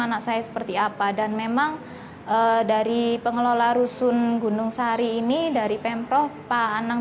anak saya seperti apa dan memang dari pengelola rusun gunung sari ini dari pemprov pak anang